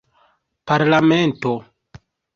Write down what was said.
parlamento